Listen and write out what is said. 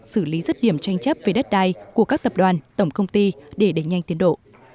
xử lý rứt điểm tranh chấp về đất đai của các tập đoàn tổng công ty để đánh nhanh tiến độ